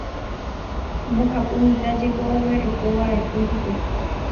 Mbohapy mitã jeko oguerekova'ekue hikuái.